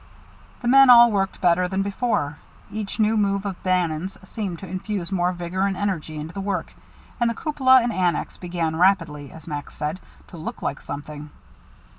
The men all worked better than before; each new move of Bannon's seemed to infuse more vigor and energy into the work; and the cupola and annex began rapidly, as Max said, "to look like something."